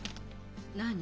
何？